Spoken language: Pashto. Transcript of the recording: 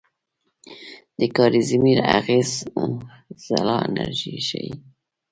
د کازیمیر اغېز خلا انرژي ښيي.